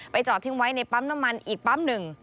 จอดทิ้งไว้ในปั๊มน้ำมันอีกปั๊มหนึ่ง